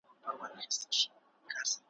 یوه حوره به راکښته سي له پاسه ,